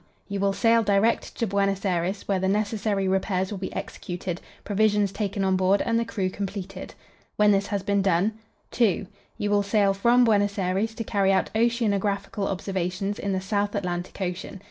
You will sail direct to Buenos Aires, where the necessary repairs will be executed, provisions taken on board, and the crew completed. When this has been done, "2. You will sail from Buenos Aires to carry out oceanographical observations in the South Atlantic Ocean.